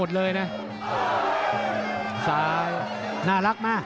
เดิมอยู่